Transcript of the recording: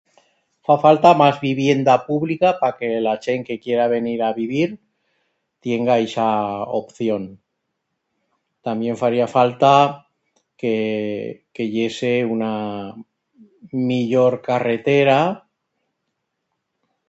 Fa falta mas vivienda publica pa que la chent que quiera venir a vivir tienga ixa opción. Tamién faría falta que... que i hese una millor carretera.